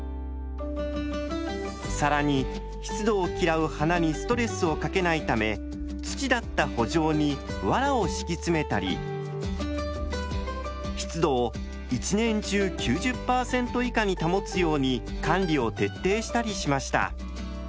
更に湿度を嫌う花にストレスをかけないため土だったほ場にわらを敷き詰めたり湿度を一年中９０％以下に保つように管理を徹底したりしました。